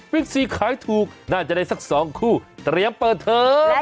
ซีขายถูกน่าจะได้สัก๒คู่เตรียมเปิดเทอม